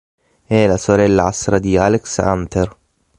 È la sorellastra di Alex Hunter.